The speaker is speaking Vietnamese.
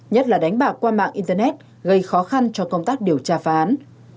nhất là đánh bạc qua mạng internet gây khó khăn cho công tác điều tra phá án